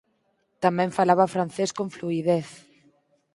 Tamén falaba francés con fluidez.